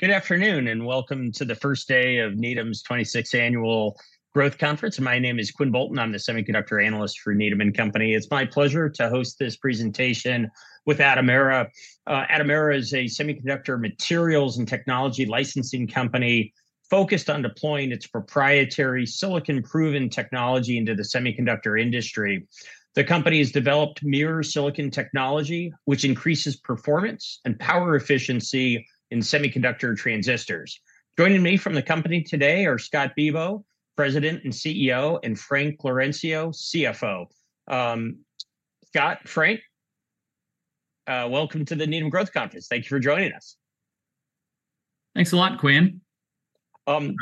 Good afternoon, and welcome to the first day of Needham's twenty-sixth Annual Growth Conference. My name is Quinn Bolton. I'm the semiconductor analyst for Needham & Company. It's my pleasure to host this presentation with Atomera. Atomera is a semiconductor materials and technology licensing company focused on deploying its proprietary silicon-proven technology into the semiconductor industry. The company has developed Mears Silicon Technology, which increases performance and power efficiency in semiconductor transistors. Joining me from the company today are Scott Bibaud, President and CEO, and Frank Laurencio, CFO. Scott, Frank, welcome to the Needham Growth Conference. Thank you for joining us. Thanks a lot, Quinn.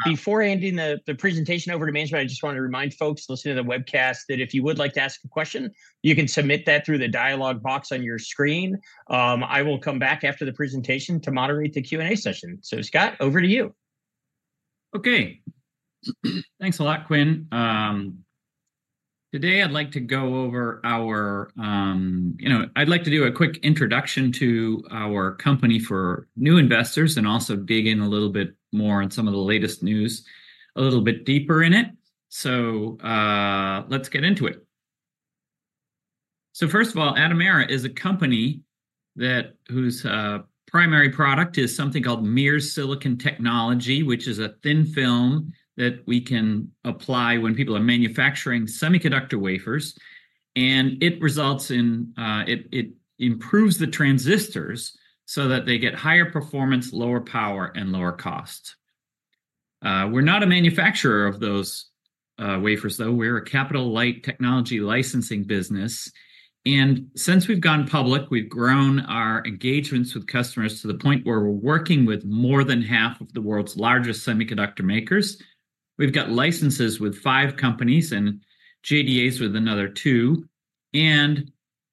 Before handing the presentation over to management, I just want to remind folks listening to the webcast that if you would like to ask a question, you can submit that through the dialogue box on your screen. I will come back after the presentation to moderate the Q&A session. So, Scott, over to you. Okay. Thanks a lot, Quinn. Today I'd like to go over our, you know, I'd like to do a quick introduction to our company for new investors and also dig in a little bit more on some of the latest news, a little bit deeper in it. So, let's get into it. So first of all, Atomera is a company that, whose primary product is something called Mears Silicon Technology, which is a thin film that we can apply when people are manufacturing semiconductor wafers, and it results in... it improves the transistors so that they get higher performance, lower power, and lower cost. We're not a manufacturer of those wafers, though. We're a capital-light technology licensing business, and since we've gone public, we've grown our engagements with customers to the point where we're working with more than half of the world's largest semiconductor makers. We've got licenses with five companies and JDAs with another two, and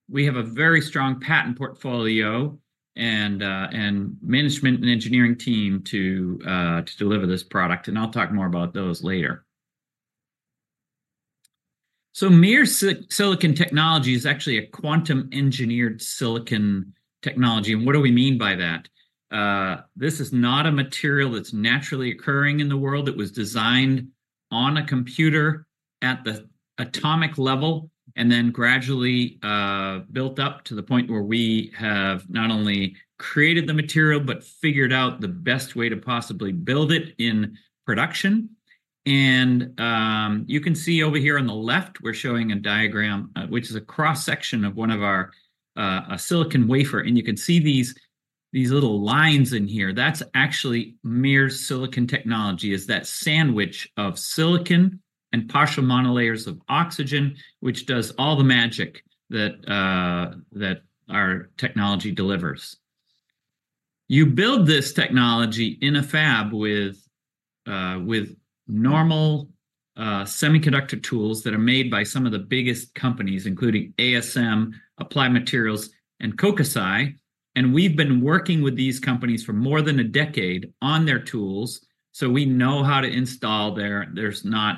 we have a very strong patent portfolio and, and management and engineering team to, to deliver this product, and I'll talk more about those later. So Mears Silicon Technology is actually a quantum engineered silicon technology, and what do we mean by that? This is not a material that's naturally occurring in the world. It was designed on a computer at the atomic level, and then gradually, built up to the point where we have not only created the material, but figured out the best way to possibly build it in production. You can see over here on the left, we're showing a diagram, which is a cross-section of one of our, a silicon wafer, and you can see these, these little lines in here. That's actually Mears Silicon Technology, is that sandwich of silicon and partial monolayers of oxygen, which does all the magic that our technology delivers. You build this technology in a fab with normal semiconductor tools that are made by some of the biggest companies, including ASM, Applied Materials and Kokusai, and we've been working with these companies for more than a decade on their tools, so we know how to install their tools. There's not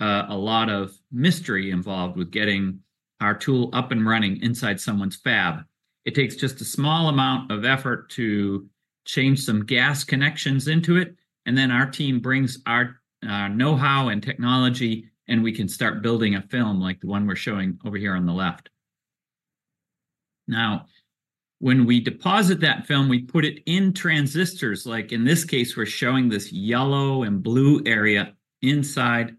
a lot of mystery involved with getting our tool up and running inside someone's fab. It takes just a small amount of effort to change some gas connections into it, and then our team brings our know-how and technology, and we can start building a film like the one we're showing over here on the left. Now, when we deposit that film, we put it in transistors. Like in this case, we're showing this yellow and blue area inside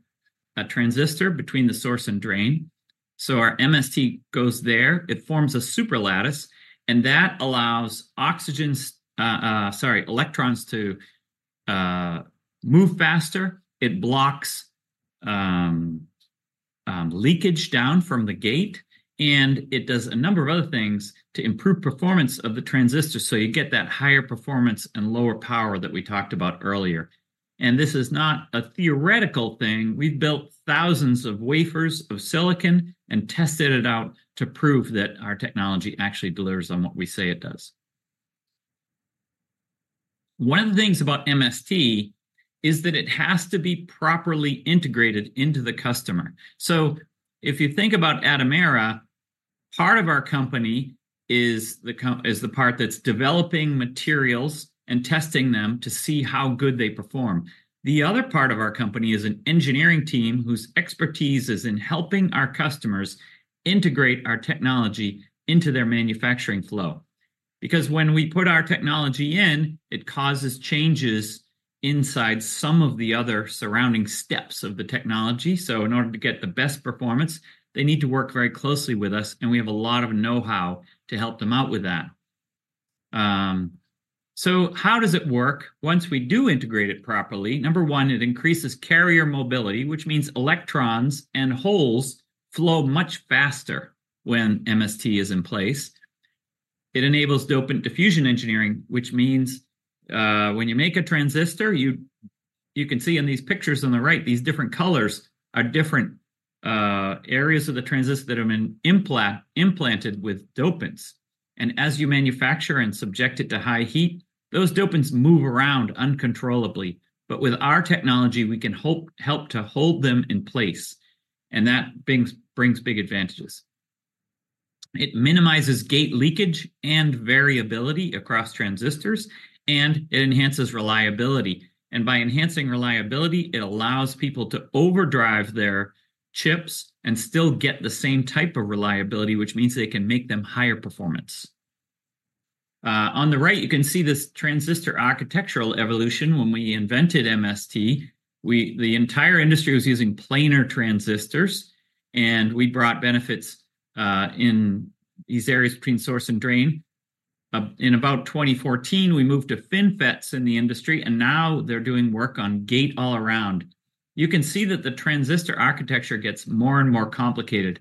a transistor between the source and drain. So our MST goes there, it forms a superlattice, and that allows oxygens, sorry, electrons to move faster. It blocks leakage down from the gate, and it does a number of other things to improve performance of the transistor, so you get that higher performance and lower power that we talked about earlier. And this is not a theoretical thing. We've built thousands of wafers of silicon and tested it out to prove that our technology actually delivers on what we say it does. One of the things about MST is that it has to be properly integrated into the customer. So if you think about Atomera, part of our company is the part that's developing materials and testing them to see how good they perform. The other part of our company is an engineering team whose expertise is in helping our customers integrate our technology into their manufacturing flow. Because when we put our technology in, it causes changes inside some of the other surrounding steps of the technology. So in order to get the best performance, they need to work very closely with us, and we have a lot of know-how to help them out with that. So, how does it work once we do integrate it properly? Number one, it increases carrier mobility, which means electrons and holes flow much faster when MST is in place. It enables dopant diffusion engineering, which means when you make a transistor, you can see in these pictures on the right, these different colors are different areas of the transistor that have been implanted with dopants. And as you manufacture and subject it to high heat, those dopants move around uncontrollably. But with our technology, we can help to hold them in place, and that brings big advantages. It minimizes gate leakage and variability across transistors, and it enhances reliability. And by enhancing reliability, it allows people to overdrive their chips and still get the same type of reliability, which means they can make them higher performance. On the right, you can see this transistor architectural evolution. When we invented MST, the entire industry was using planar transistors, and we brought benefits in these areas between source and drain. In about 2014, we moved to FinFETs in the industry, and now they're doing work on gate-all-around. You can see that the transistor architecture gets more and more complicated,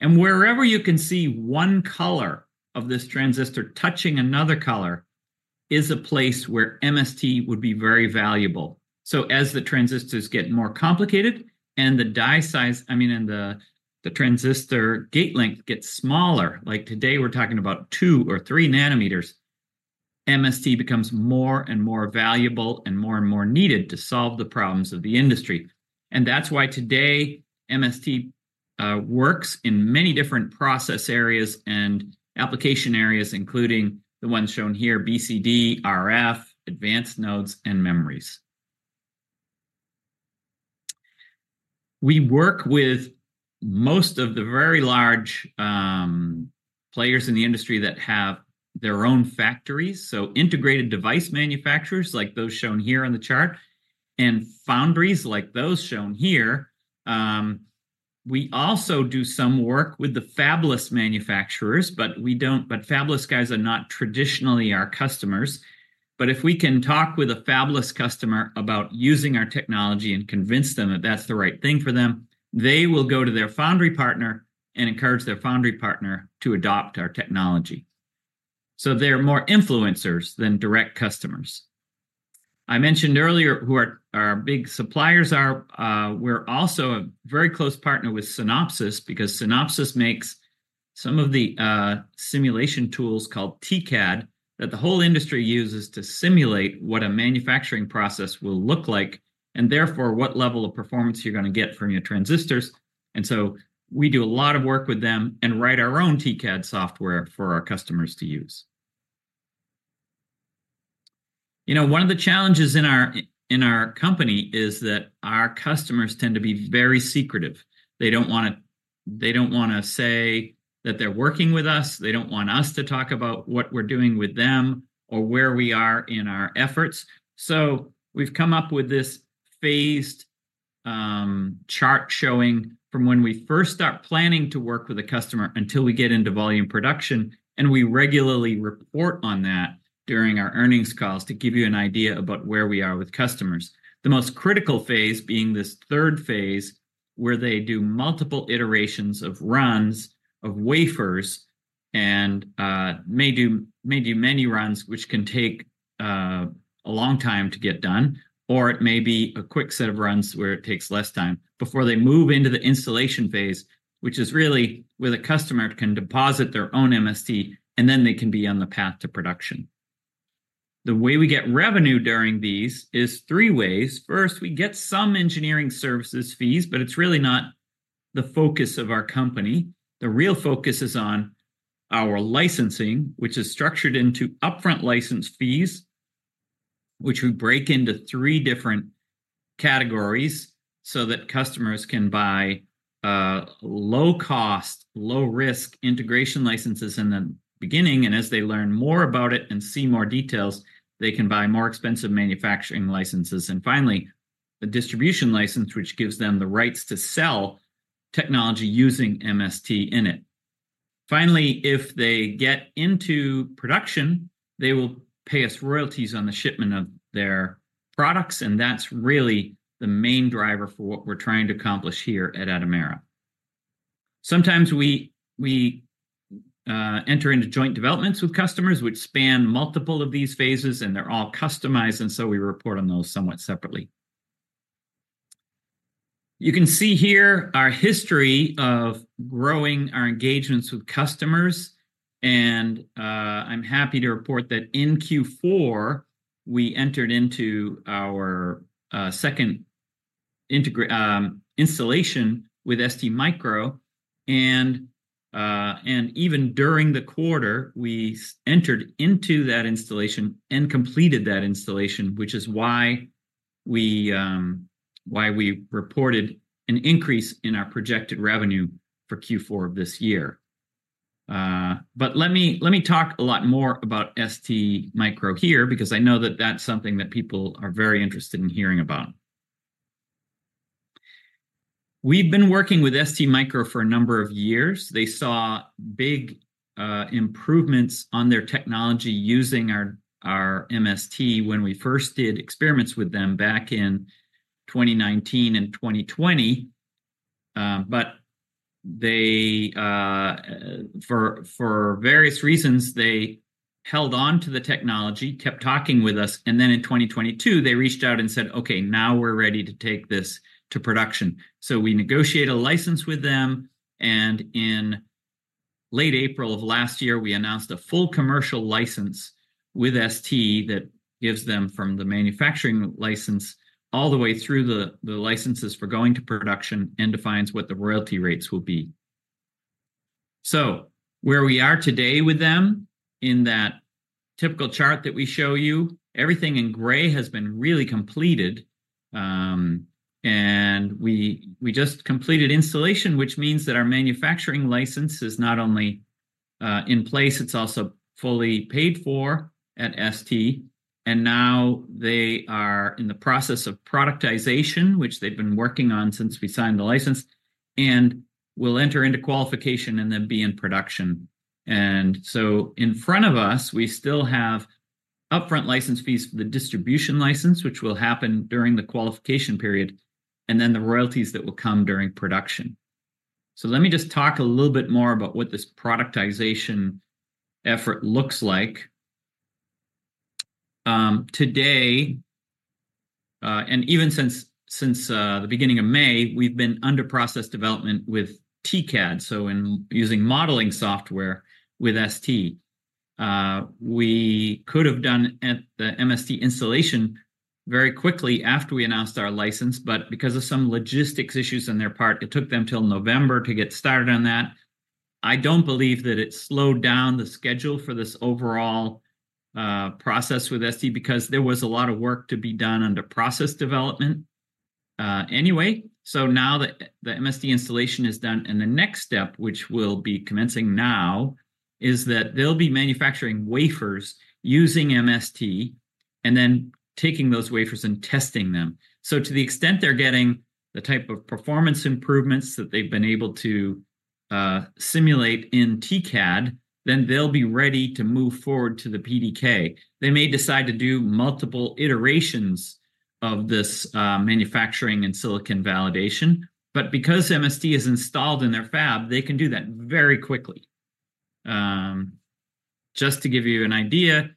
and wherever you can see one color of this transistor touching another color, is a place where MST would be very valuable. So as the transistors get more complicated and the die size, I mean, and the transistor gate length gets smaller, like today, we're talking about 2 or 3 nanometers, MST becomes more and more valuable and more and more needed to solve the problems of the industry. That's why today, MST works in many different process areas and application areas, including the ones shown here: BCD, RF, advanced nodes, and memories. We work with most of the very large players in the industry that have their own factories, so integrated device manufacturers, like those shown here on the chart, and foundries, like those shown here. We also do some work with the fabless manufacturers, but fabless guys are not traditionally our customers. But if we can talk with a fabless customer about using our technology and convince them that that's the right thing for them, they will go to their foundry partner and encourage their foundry partner to adopt our technology. So they're more influencers than direct customers. I mentioned earlier our big suppliers are. We're also a very close partner with Synopsys, because Synopsys makes some of the simulation tools called TCAD that the whole industry uses to simulate what a manufacturing process will look like, and therefore what level of performance you're gonna get from your transistors. And so we do a lot of work with them and write our own TCAD software for our customers to use. You know, one of the challenges in our company is that our customers tend to be very secretive. They don't wanna say that they're working with us. They don't want us to talk about what we're doing with them or where we are in our efforts. So we've come up with this phased chart showing from when we first start planning to work with a customer until we get into volume production, and we regularly report on that during our earnings calls to give you an idea about where we are with customers. The most critical phase being this third phase, where they do multiple iterations of runs, of wafers, and may do, may do many runs, which can take a long time to get done, or it may be a quick set of runs where it takes less time before they move into the installation phase, which is really where the customer can deposit their own MST, and then they can be on the path to production. The way we get revenue during these is three ways. First, we get some engineering services fees, but it's really not the focus of our company. The real focus is on our licensing, which is structured into upfront license fees, which we break into three different categories so that customers can buy low cost, low risk integration licenses in the beginning, and as they learn more about it and see more details, they can buy more expensive manufacturing licenses. And finally, a distribution license, which gives them the rights to sell technology using MST in it. Finally, if they get into production, they will pay us royalties on the shipment of their products, and that's really the main driver for what we're trying to accomplish here at Atomera. Sometimes we enter into joint developments with customers, which span multiple of these phases, and they're all customized, and so we report on those somewhat separately. You can see here our history of growing our engagements with customers, and I'm happy to report that in Q4, we entered into our second installation with STMicro, and even during the quarter, we entered into that installation and completed that installation, which is why we reported an increase in our projected revenue for Q4 of this year. But let me talk a lot more about STMicro here, because I know that that's something that people are very interested in hearing about. We've been working with STMicro for a number of years. They saw big improvements on their technology using our MST when we first did experiments with them back in 2019 and 2020. But they, for various reasons, they held on to the technology, kept talking with us, and then in 2022, they reached out and said, "Okay, now we're ready to take this to production." So we negotiate a license with them, and in late April of last year, we announced a full commercial license with ST that gives them from the manufacturing license all the way through the licenses for going to production and defines what the royalty rates will be. So where we are today with them, in that typical chart that we show you, everything in gray has been really completed, and we, we just completed installation, which means that our manufacturing license is not only in place, it's also fully paid for at ST, and now they are in the process of productization, which they've been working on since we signed the license, and will enter into qualification and then be in production. And so in front of us, we still have upfront license fees for the distribution license, which will happen during the qualification period, and then the royalties that will come during production. So let me just talk a little bit more about what this productization effort looks like. Today, and even since the beginning of May, we've been under process development with TCAD, so in using modeling software with ST. We could have done at the MST installation very quickly after we announced our license, but because of some logistics issues on their part, it took them till November to get started on that. I don't believe that it slowed down the schedule for this overall process with ST, because there was a lot of work to be done under process development anyway. So now that the MST installation is done, and the next step, which will be commencing now, is that they'll be manufacturing wafers using MST and then taking those wafers and testing them. To the extent they're getting the type of performance improvements that they've been able to simulate in TCAD, then they'll be ready to move forward to the PDK. They may decide to do multiple iterations of this manufacturing and silicon validation, but because MST is installed in their fab, they can do that very quickly. Just to give you an idea,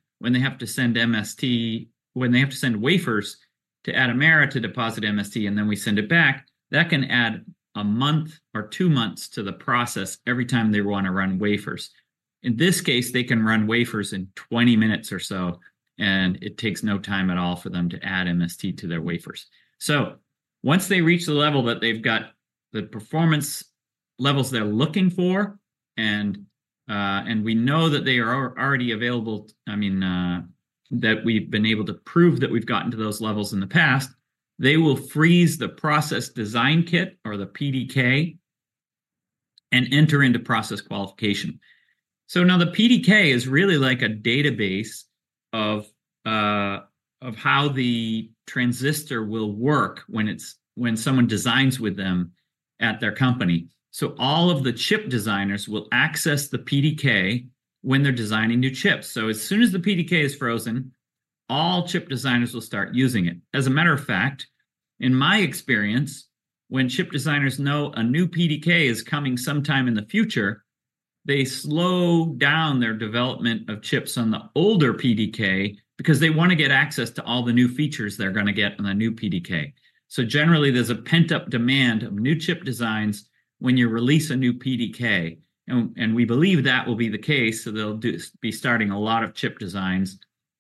when they have to send wafers to Atomera to deposit MST, and then we send it back, that can add a month or two months to the process every time they want to run wafers. In this case, they can run wafers in 20 minutes or so, and it takes no time at all for them to add MST to their wafers. So once they reach the level that they've got the performance levels they're looking for, and we know that they are already available... I mean, that we've been able to prove that we've gotten to those levels in the past, they will freeze the process design kit or the PDK, and enter into process qualification. So now the PDK is really like a database of how the transistor will work when someone designs with them at their company. So all of the chip designers will access the PDK when they're designing new chips. So as soon as the PDK is frozen, all chip designers will start using it. As a matter of fact, in my experience, when chip designers know a new PDK is coming sometime in the future, they slow down their development of chips on the older PDK, because they want to get access to all the new features they're gonna get on the new PDK. So generally, there's a pent-up demand of new chip designs when you release a new PDK, and we believe that will be the case, so they'll be starting a lot of chip designs.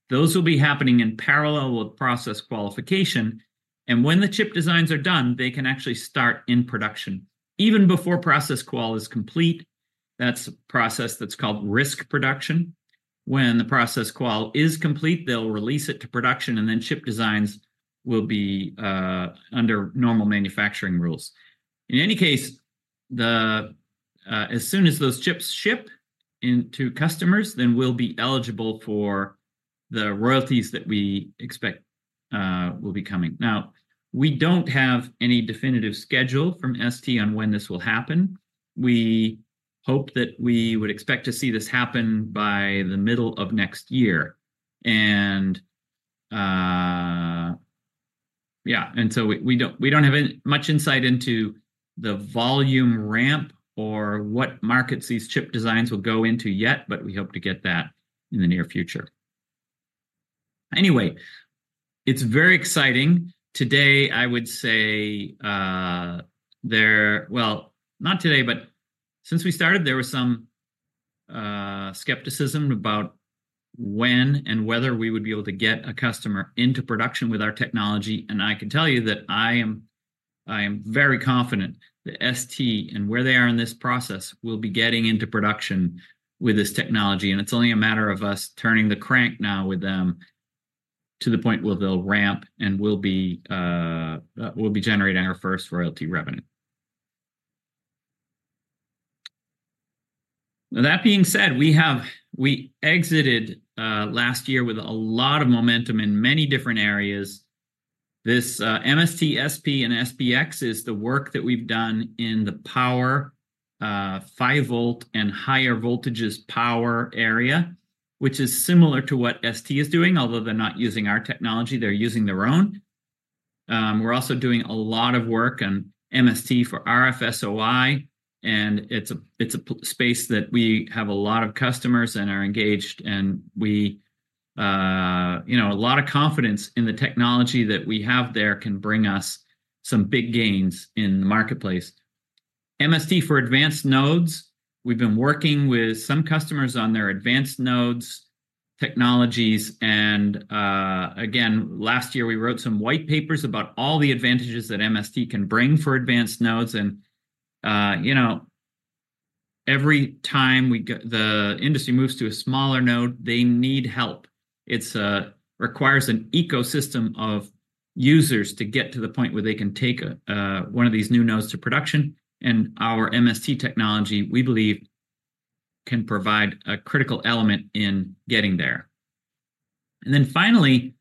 Those will be happening in parallel with process qualification, and when the chip designs are done, they can actually start in production, even before process qual is complete. That's a process that's called risk production. When the process qual is complete, they'll release it to production, and then chip designs will be under normal manufacturing rules. In any case, the... As soon as those chips ship into customers, then we'll be eligible for the royalties that we expect will be coming. Now, we don't have any definitive schedule from ST on when this will happen. We hope that we would expect to see this happen by the middle of next year. And yeah. And so we don't have much insight into the volume ramp or what markets these chip designs will go into yet, but we hope to get that in the near future. Anyway, it's very exciting. Today, I would say, well, not today, but since we started, there was some skepticism about when and whether we would be able to get a customer into production with our technology. I can tell you that I am, I am very confident that ST and where they are in this process, will be getting into production with this technology, and it's only a matter of us turning the crank now with them to the point where they'll ramp, and we'll be, we'll be generating our first royalty revenue. Now, that being said, we exited last year with a lot of momentum in many different areas. This MST-SP and SPX is the work that we've done in the power, 5-volt and higher voltages power area, which is similar to what ST is doing, although they're not using our technology, they're using their own. We're also doing a lot of work on MST for RF-SOI, and it's a space that we have a lot of customers and are engaged, and we, you know, a lot of confidence in the technology that we have there can bring us some big gains in the marketplace. MST for advanced nodes, we've been working with some customers on their advanced nodes technologies, and, again, last year we wrote some white papers about all the advantages that MST can bring for advanced nodes. You know, every time the industry moves to a smaller node, they need help. It requires an ecosystem of users to get to the point where they can take one of these new nodes to production, and our MST technology, we believe, can provide a critical element in getting there. And then finally,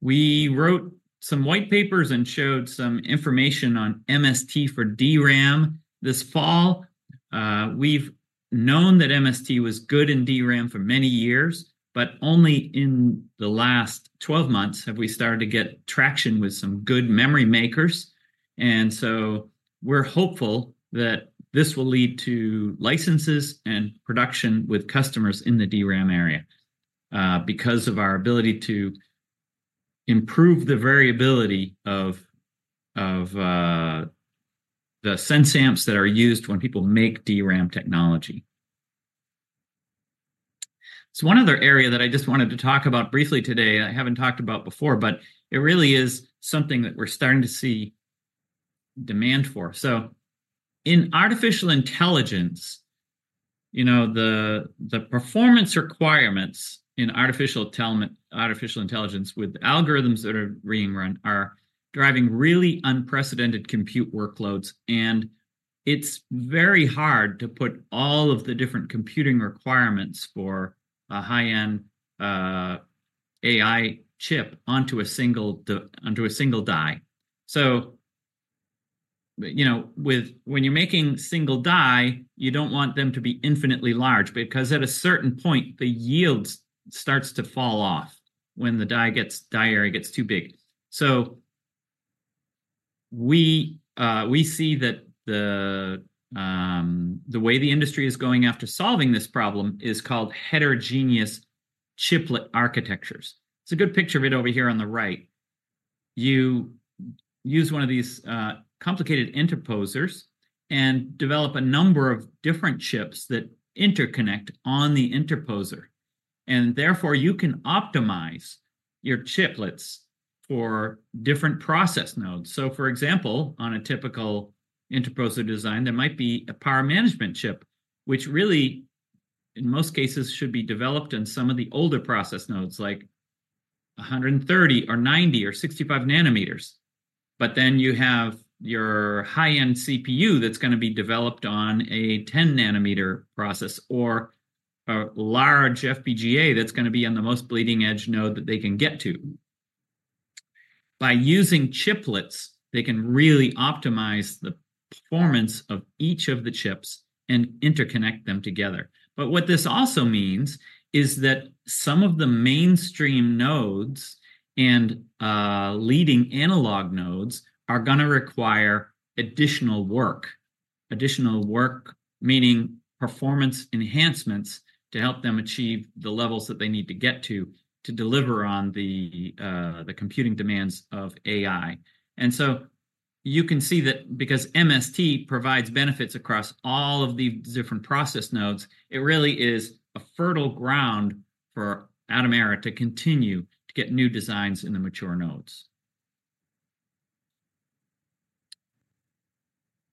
we wrote some white papers and showed some information on MST for DRAM this fall. We've known that MST was good in DRAM for many years, but only in the last 12 months have we started to get traction with some good memory makers. And so we're hopeful that this will lead to licenses and production with customers in the DRAM area, because of our ability to improve the variability of the sense amps that are used when people make DRAM technology. So one other area that I just wanted to talk about briefly today, I haven't talked about before, but it really is something that we're starting to see demand for. So in artificial intelligence, you know, the performance requirements in artificial intelligence with algorithms that are being run are driving really unprecedented compute workloads, and it's very hard to put all of the different computing requirements for a high-end, AI chip onto a single die. So, you know, when you're making single die, you don't want them to be infinitely large, because at a certain point, the yield starts to fall off when the die area gets too big. So we see that the way the industry is going after solving this problem is called heterogeneous chiplet architectures. There's a good picture of it over here on the right. You use one of these complicated interposers and develop a number of different chips that interconnect on the interposer, and therefore, you can optimize your chiplets for different process nodes. So for example, on a typical interposer design, there might be a power management chip, which really, in most cases, should be developed in some of the older process nodes, like 130 or 90 or 65 nanometers. But then you have your high-end CPU that's gonna be developed on a 10-nanometer process or a large FPGA that's gonna be on the most bleeding-edge node that they can get to. By using chiplets, they can really optimize the performance of each of the chips and interconnect them together. But what this also means is that some of the mainstream nodes and leading analog nodes are gonna require additional work. Additional work, meaning performance enhancements to help them achieve the levels that they need to get to, to deliver on the computing demands of AI. And so you can see that because MST provides benefits across all of these different process nodes, it really is a fertile ground for Atomera to continue to get new designs in the mature nodes.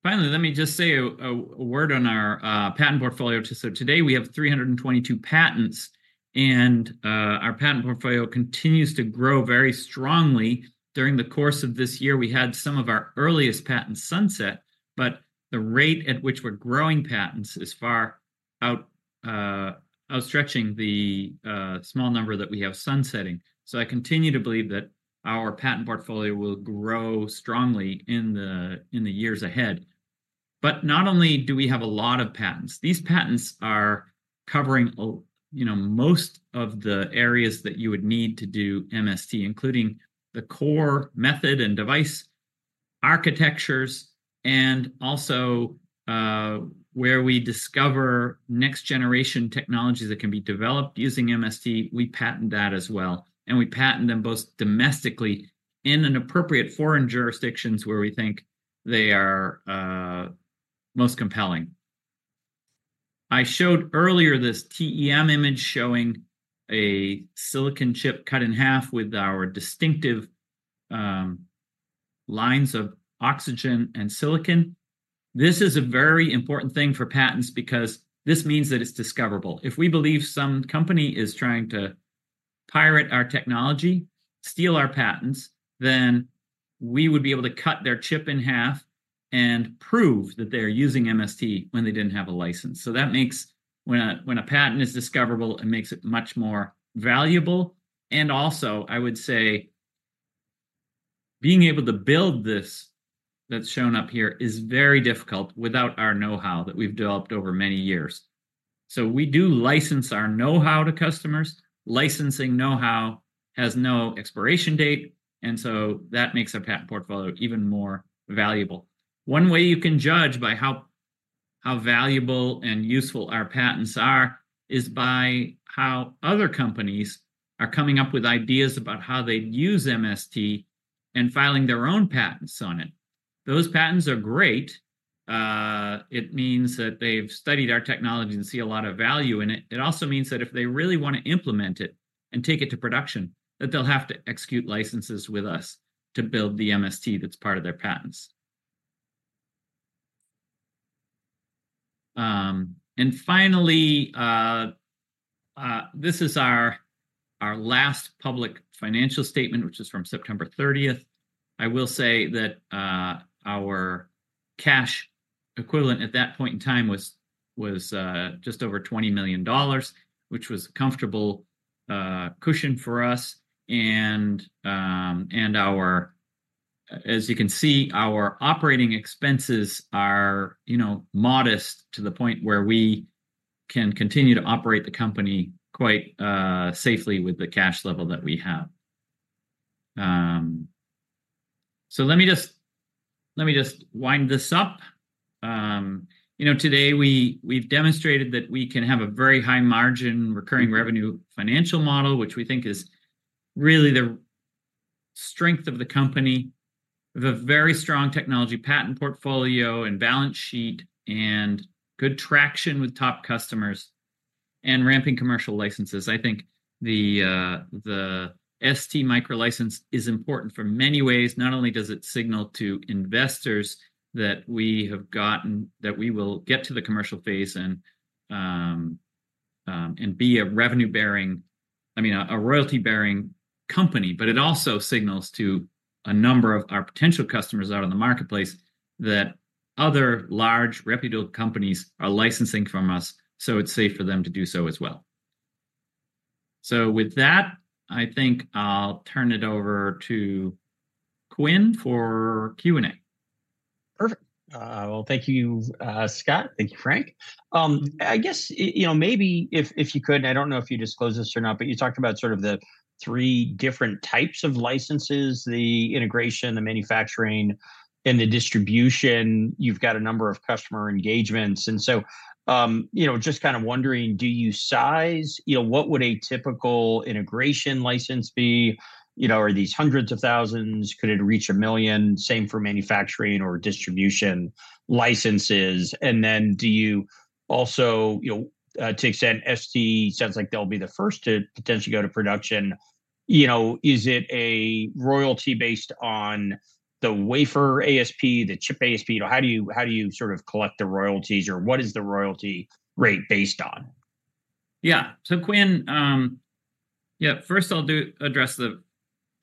Finally, let me just say a word on our patent portfolio. So today, we have 322 patents, and our patent portfolio continues to grow very strongly. During the course of this year, we had some of our earliest patents sunset, but the rate at which we're growing patents is far out, outstretching the small number that we have sunsetting. So I continue to believe that our patent portfolio will grow strongly in the years ahead. But not only do we have a lot of patents, these patents are covering, you know, most of the areas that you would need to do MST, including the core method and device architectures, and also, where we discover next-generation technologies that can be developed using MST, we patent that as well. And we patent them both domestically and in appropriate foreign jurisdictions where we think they are most compelling. I showed earlier this TEM image showing a silicon chip cut in half with our distinctive, lines of oxygen and silicon. This is a very important thing for patents because this means that it's discoverable. If we believe some company is trying to pirate our technology, steal our patents, then we would be able to cut their chip in half and prove that they are using MST when they didn't have a license. So that makes... When a patent is discoverable, it makes it much more valuable. And also, I would say, being able to build this, that's shown up here, is very difficult without our know-how that we've developed over many years. So we do license our know-how to customers. Licensing know-how has no expiration date, and so that makes our patent portfolio even more valuable. One way you can judge by how valuable and useful our patents are, is by how other companies are coming up with ideas about how they'd use MST and filing their own patents on it. Those patents are great. It means that they've studied our technology and see a lot of value in it. It also means that if they really want to implement it and take it to production, that they'll have to execute licenses with us to build the MST that's part of their patents. And finally, this is our last public financial statement, which is from September thirtieth. I will say that our cash equivalent at that point in time was just over $20 million, which was a comfortable cushion for us. And our, as you can see, our operating expenses are, you know, modest to the point where we can continue to operate the company quite safely with the cash level that we have. So let me just wind this up. You know, today we, we've demonstrated that we can have a very high margin, recurring revenue financial model, which we think is really the strength of the company. We've a very strong technology patent portfolio and balance sheet, and good traction with top customers, and ramping commercial licenses. I think the, the STMicro license is important for many ways. Not only does it signal to investors that we will get to the commercial phase and, and be a revenue-bearing, I mean, a, a royalty-bearing company. But it also signals to a number of our potential customers out in the marketplace, that other large reputable companies are licensing from us, so it's safe for them to do so as well. So with that, I think I'll turn it over to Quinn for Q&A. Perfect. Well, thank you, Scott. Thank you, Frank. I guess, you know, maybe if you could, I don't know if you disclosed this or not, but you talked about sort of the three different types of licenses, the integration, the manufacturing, and the distribution. You've got a number of customer engagements, and so, you know, just kind of wondering, do you size? You know, what would a typical integration license be? You know, are these hundreds of thousands? Could it reach a million? Same for manufacturing or distribution licenses. And then do you also, you know, to the extent ST sounds like they'll be the first to potentially go to production. You know, is it a royalty based on the wafer ASP, the chip ASP? Or how do you, how do you sort of collect the royalties, or what is the royalty rate based on? Yeah. So, Quinn, yeah, first I'll address the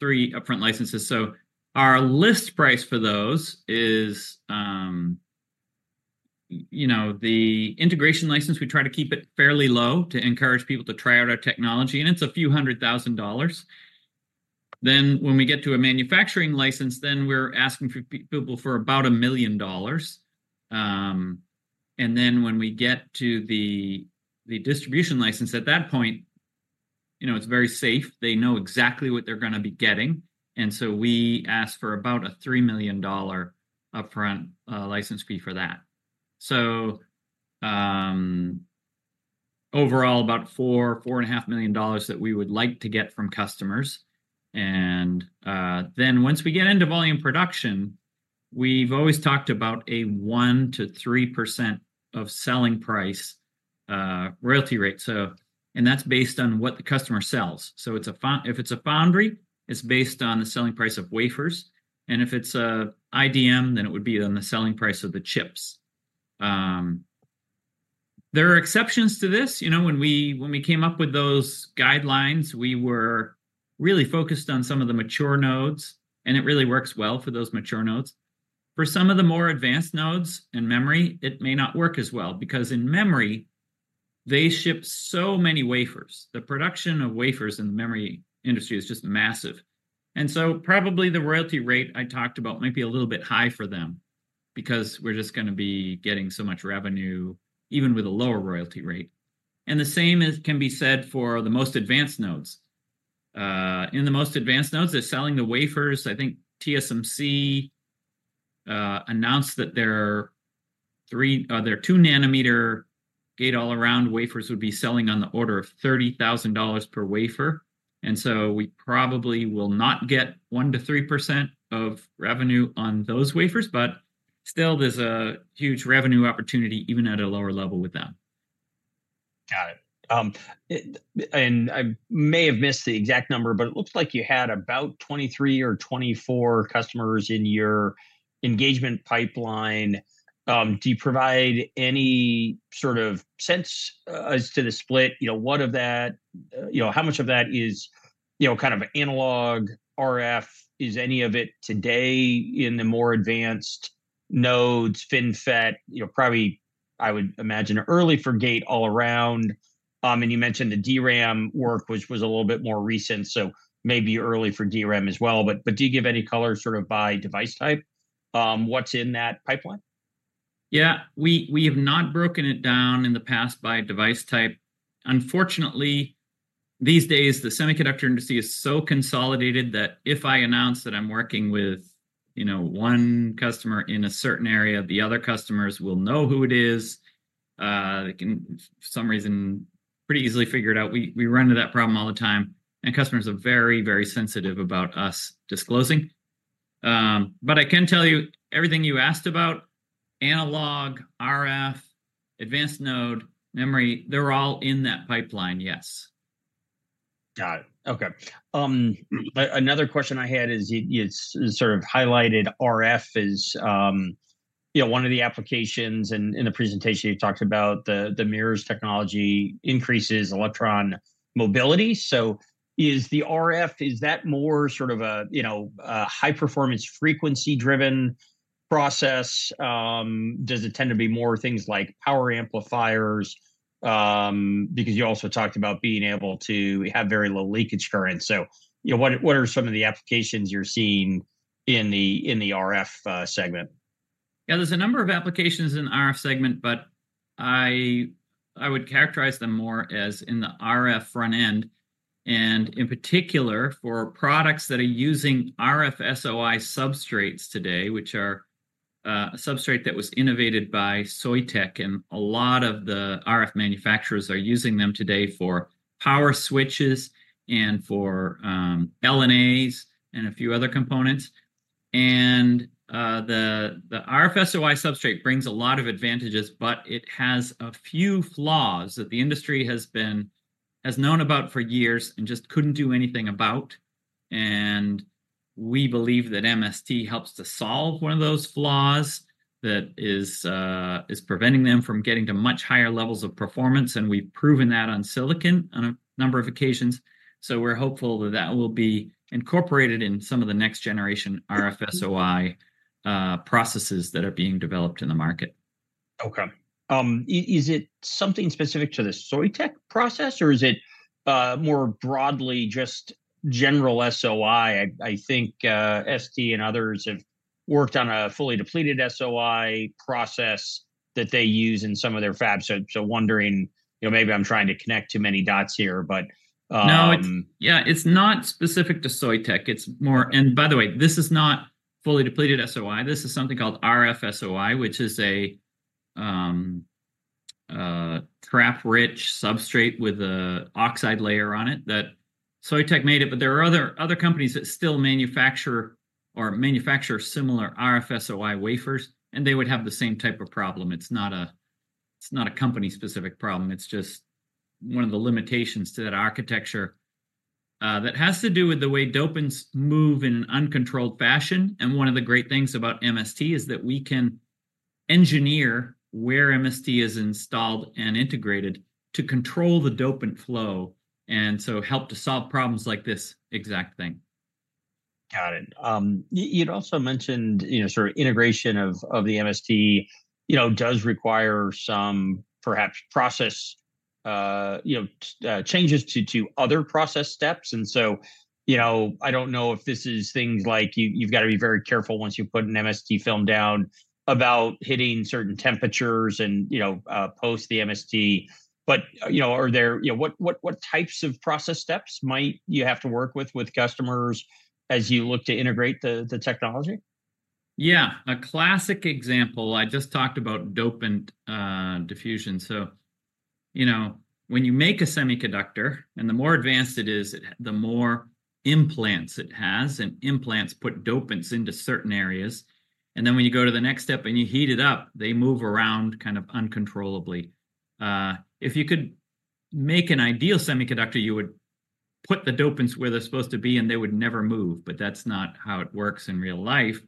three upfront licenses. So our list price for those is, you know, the integration license, we try to keep it fairly low to encourage people to try out our technology, and it's $ a few hundred thousand. Then, when we get to a manufacturing license, then we're asking people for about $1 million. And then when we get to the, the distribution license, at that point, you know, it's very safe. They know exactly what they're gonna be getting, and so we ask for about a $3 million upfront license fee for that. So, overall, about $4 million-$4.5 million that we would like to get from customers. Then once we get into volume production, we've always talked about a 1%-3% of selling price royalty rate, so, and that's based on what the customer sells. So if it's a foundry, it's based on the selling price of wafers, and if it's a IDM, then it would be on the selling price of the chips. There are exceptions to this. You know, when we came up with those guidelines, we were really focused on some of the mature nodes, and it really works well for those mature nodes. For some of the more advanced nodes in memory, it may not work as well, because in memory, they ship so many wafers. The production of wafers in the memory industry is just massive. And so probably the royalty rate I talked about might be a little bit high for them, because we're just gonna be getting so much revenue, even with a lower royalty rate. And the same as can be said for the most advanced nodes. In the most advanced nodes, they're selling the wafers. I think TSMC announced that their 2-nanometer gate-all-around wafers would be selling on the order of $30,000 per wafer. And so we probably will not get 1%-3% of revenue on those wafers, but still there's a huge revenue opportunity, even at a lower level with them. Got it. It and I may have missed the exact number, but it looks like you had about 23 or 24 customers in your engagement pipeline. Do you provide any sort of sense as to the split? You know, what of that... You know, how much of that is, you know, kind of analog, RF? Is any of it today in the more advanced nodes, FinFET? You know, probably, I would imagine, early for gate-all-around. And you mentioned the DRAM work, which was a little bit more recent, so maybe early for DRAM as well. But do you give any color sort of by device type, what's in that pipeline? Yeah. We have not broken it down in the past by device type. Unfortunately, these days, the semiconductor industry is so consolidated that if I announce that I'm working with, you know, one customer in a certain area, the other customers will know who it is. They can, for some reason, pretty easily figure it out. We run into that problem all the time, and customers are very, very sensitive about us disclosing. But I can tell you everything you asked about, analog, RF, advanced node, memory; they're all in that pipeline, yes. Got it. Okay. Another question I had is, you, you sort of highlighted RF as, you know, one of the applications. In the presentation, you talked about the Mears technology increases electron mobility. So is the RF, is that more sort of a, you know, a high-performance, frequency-driven process? Does it tend to be more things like power amplifiers? Because you also talked about being able to have very low leakage current. So, you know, what, what are some of the applications you're seeing in the RF segment? Yeah, there's a number of applications in the RF segment, but I would characterize them more as in the RF front end, and in particular, for products that are using RF-SOI substrates today, which are a substrate that was innovated by Soitec. A lot of the RF manufacturers are using them today for power switches and for LNAs and a few other components. The RF-SOI substrate brings a lot of advantages, but it has a few flaws that the industry has known about for years and just couldn't do anything about. We believe that MST helps to solve one of those flaws, that is, is preventing them from getting to much higher levels of performance, and we've proven that on silicon on a number of occasions. So we're hopeful that that will be incorporated in some of the next generation RF-SOI processes that are being developed in the market. Okay. Is it something specific to the Soitec process, or is it more broadly, just general SOI? I think ST and others have worked on a fully depleted SOI process that they use in some of their fabs. So, wondering... You know, maybe I'm trying to connect too many dots here, but, No. Yeah, it's not specific to Soitec. It's more. And by the way, this is not fully depleted SOI. This is something called RF-SOI, which is a trap-rich substrate with an oxide layer on it, that Soitec made it, but there are other companies that still manufacture similar RF-SOI wafers, and they would have the same type of problem. It's not a company-specific problem. It's just one of the limitations to that architecture, that has to do with the way dopants move in an uncontrolled fashion. And one of the great things about MST is that we can engineer where MST is installed and integrated to control the dopant flow, and so help to solve problems like this exact thing. Got it. You'd also mentioned, you know, sort of integration of the MST, you know, does require some perhaps process changes to other process steps. And so, you know, I don't know if this is things like you've got to be very careful once you put an MST film down, about hitting certain temperatures and, you know, post the MST. But, you know, what types of process steps might you have to work with customers as you look to integrate the technology? Yeah, a classic example, I just talked about dopant diffusion. So, you know, when you make a semiconductor, and the more advanced it is, the more implants it has, and implants put dopants into certain areas, and then when you go to the next step and you heat it up, they move around kind of uncontrollably. If you could make an ideal semiconductor, you would put the dopants where they're supposed to be, and they would never move, but that's not how it works in real life.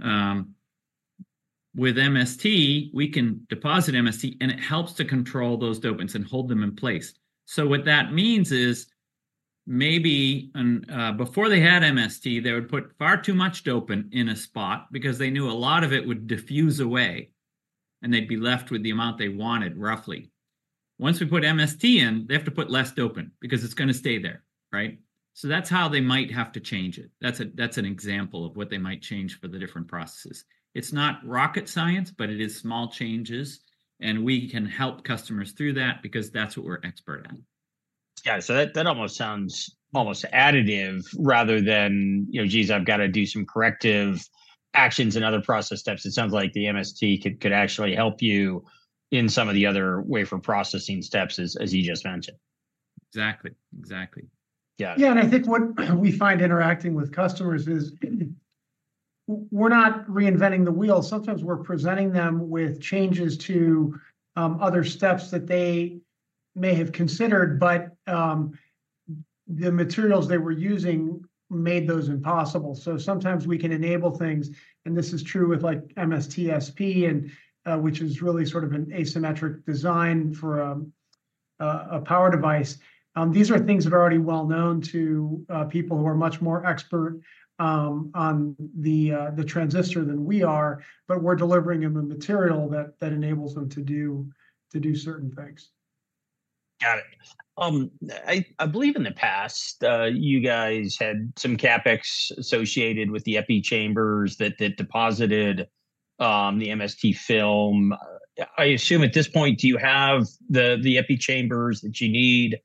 With MST, we can deposit MST, and it helps to control those dopants and hold them in place. So what that means is, maybe, before they had MST, they would put far too much dopant in a spot because they knew a lot of it would diffuse away, and they'd be left with the amount they wanted, roughly. Once we put MST in, they have to put less dopant because it's gonna stay there, right? So that's how they might have to change it. That's an example of what they might change for the different processes. It's not rocket science, but it is small changes, and we can help customers through that because that's what we're expert at. Yeah, so that almost sounds additive rather than, you know, "Geez, I've got to do some corrective actions and other process steps." It sounds like the MST could actually help you in some of the other wafer processing steps as you just mentioned. Exactly. Exactly. Yeah. Yeah, and I think what we find interacting with customers is, we're not reinventing the wheel. Sometimes we're presenting them with changes to other steps that they may have considered, but the materials they were using made those impossible. So sometimes we can enable things, and this is true with, like MST-SP and, which is really sort of an asymmetric design for a power device. These are things that are already well known to people who are much more expert on the transistor than we are, but we're delivering them a material that enables them to do certain things. Got it. I believe in the past, you guys had some CapEx associated with the epi chambers that deposited the MST film. I assume at this point, do you have the epi chambers that you need?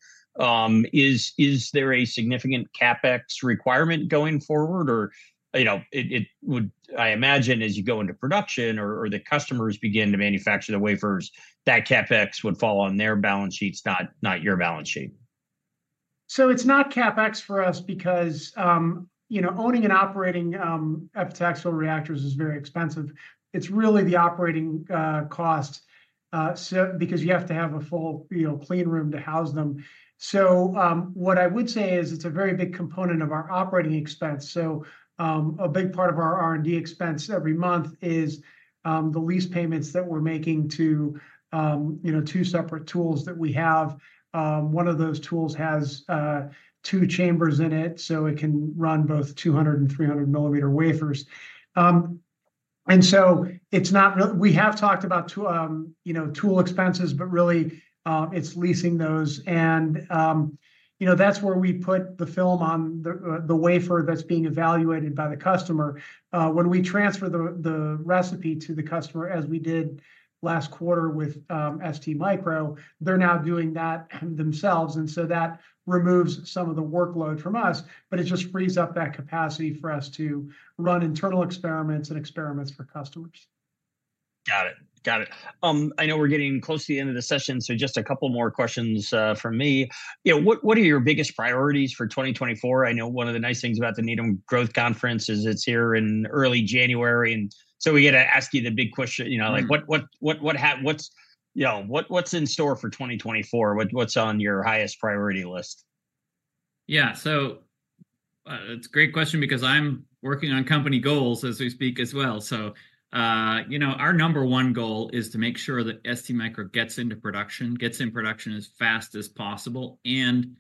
Is there a significant CapEx requirement going forward, or, you know, it would, I imagine as you go into production or the customers begin to manufacture the wafers, that CapEx would fall on their balance sheets, not your balance sheet. So it's not CapEx for us because, you know, owning and operating epitaxial reactors is very expensive. It's really the operating cost, so because you have to have a full, you know, clean room to house them. So, what I would say is it's a very big component of our operating expense. So, a big part of our R&D expense every month is the lease payments that we're making to, you know, two separate tools that we have. One of those tools has two chambers in it, so it can run both 200- and 300-millimeter wafers. And so it's not really— We have talked about two, you know, tool expenses, but really, it's leasing those. You know, that's where we put the film on the wafer that's being evaluated by the customer. When we transfer the recipe to the customer, as we did last quarter with STMicro, they're now doing that themselves, and so that removes some of the workload from us, but it just frees up that capacity for us to run internal experiments and experiments for customers. Got it. Got it. I know we're getting close to the end of the session, so just a couple more questions from me. You know, what are your biggest priorities for 2024? I know one of the nice things about the Needham Growth Conference is it's here in early January, and so we get to ask you the big question, you know, like what's... You know, what's in store for 2024? What's on your highest priority list? Yeah, so, it's a great question because I'm working on company goals as we speak as well. So, you know, our number one goal is to make sure that STMicroelectronics gets into production, gets in production as fast as possible and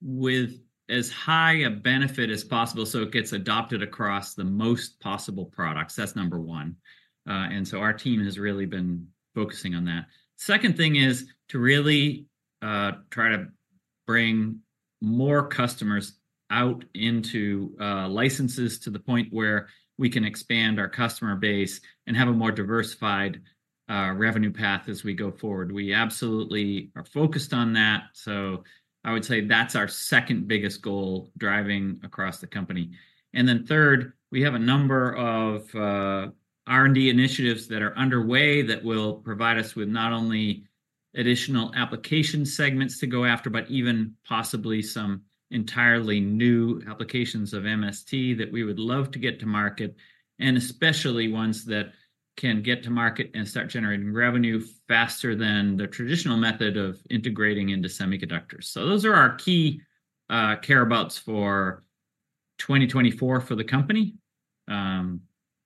with as high a benefit as possible, so it gets adopted across the most possible products. That's number one. So our team has really been focusing on that. Second thing is to really try to bring more customers out into licenses to the point where we can expand our customer base and have a more diversified revenue path as we go forward. We absolutely are focused on that, so I would say that's our second biggest goal, driving across the company. And then third, we have a number of R&D initiatives that are underway that will provide us with not only additional application segments to go after, but even possibly some entirely new applications of MST that we would love to get to market, and especially ones that can get to market and start generating revenue faster than the traditional method of integrating into semiconductors. So those are our key care abouts for 2024 for the company.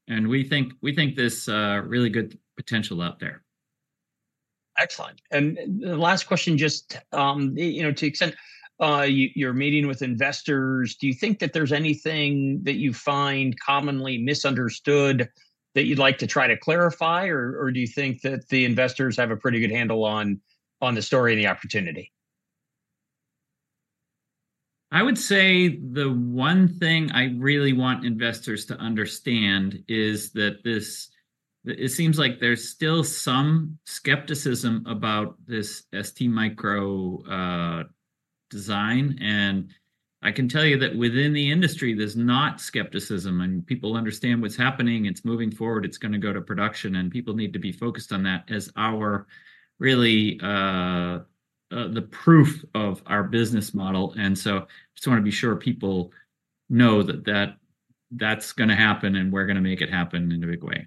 And we think there's really good potential out there. Excellent. And the last question just, you know, to the extent you, you're meeting with investors, do you think that there's anything that you find commonly misunderstood that you'd like to try to clarify, or, or do you think that the investors have a pretty good handle on, on the story and the opportunity? I would say the one thing I really want investors to understand is that this... It seems like there's still some skepticism about this STMicroelectronics, design, and I can tell you that within the industry, there's not skepticism, and people understand what's happening. It's moving forward. It's gonna go to production, and people need to be focused on that as our really, the proof of our business model, and so just want to be sure people know that, that that's gonna happen, and we're gonna make it happen in a big way.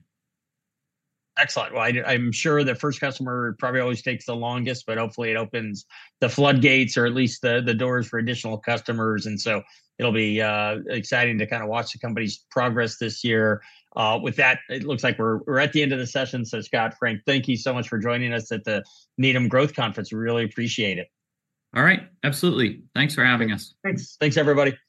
Excellent. Well, I'm sure the first customer probably always takes the longest, but hopefully it opens the floodgates or at least the doors for additional customers, and so it'll be exciting to kind of watch the company's progress this year. With that, it looks like we're at the end of the session. So Scott, Frank, thank you so much for joining us at the Needham Growth Conference. We really appreciate it. All right. Absolutely. Thanks for having us. Thanks. Thanks, everybody.